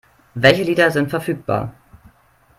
Welche Lieder sind verfügbar?